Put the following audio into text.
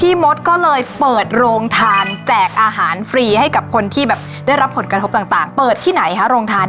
มดก็เลยเปิดโรงทานแจกอาหารฟรีให้กับคนที่แบบได้รับผลกระทบต่างเปิดที่ไหนคะโรงทาน